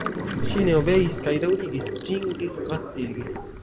Ŝi ne obeis kaj daŭrigis ĝin disvastigi.